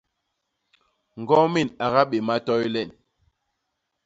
Ñgomin a gabéma toy len!